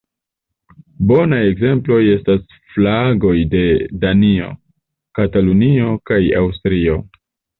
Bonaj ekzemploj estas flagoj de Danio, Katalunio kaj Aŭstrio.